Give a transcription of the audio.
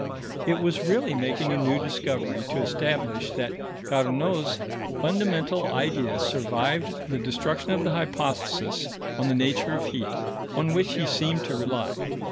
It was really making a new discovery to establish that Carnot's fundamental idea survived the destruction of the hypothesis on the nature of heat, on which he seemed to rely.